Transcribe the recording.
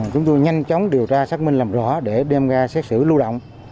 chúng tôi nhanh chóng điều tra xác minh làm rõ để đem ra xét xử lưu động